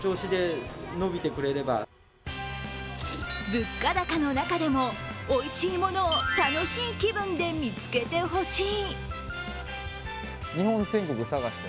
物価高の中でもおいしいものを楽しい気分で見つけてほしい。